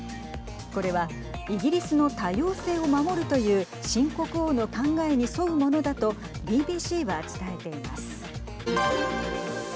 これはイギリスの多様性を守るという新国王の考えに沿うものだとＢＢＣは伝えています。